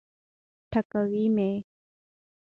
ټکوي مي.